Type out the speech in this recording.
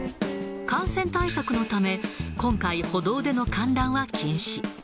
感染対策のため、今回、歩道での観覧は禁止。